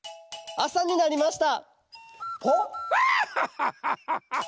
あさになりました。